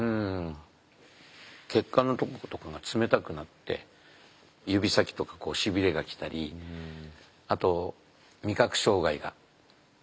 血管のところとかが冷たくなって指先とかしびれがきたりあと味覚障害が。